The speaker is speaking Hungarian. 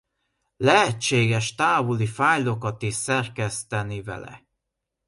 Lehetséges távoli fájlokat is szerkeszteni vele.